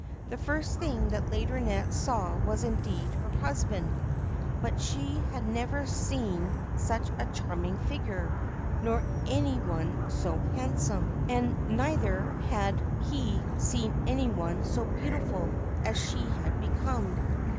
The first thing that Laideronnette saw was indeed her husband ; but she had never seen such a charming figure, nor any one so handsome ; THE GREEN SERPENT and neither had he seen any one so beautiful as she had become.